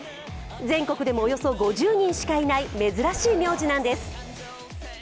全国でもおよそ５０人しかいない、珍しい名字なんです。